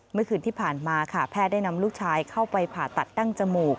เมื่อคืนที่ผ่านมาค่ะแพทย์ได้นำลูกชายเข้าไปผ่าตัดตั้งจมูก